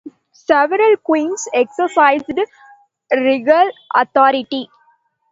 Several queens exercised regal authority.